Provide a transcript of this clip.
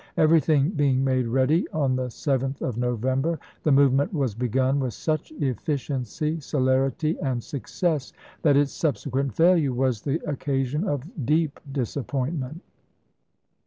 Everything being 1863. made ready, on the 7th of November the movement was begun with such efficiency, celerity, and suc cess that its subsequent failure was the occasion of deep disappointment.